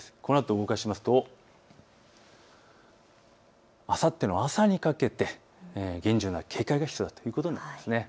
動かしますとあさっての朝にかけて厳重な警戒が必要ということです。